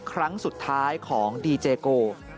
ครั้งสุดท้ายของดีเจโก